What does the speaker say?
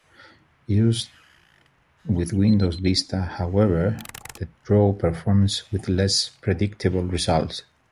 Used with Windows Vista however, TheDraw performs with less predictable results.